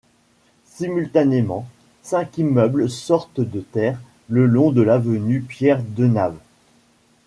Simultanément, cinq immeubles sortent de terre le long de l'avenue Pierre Denave.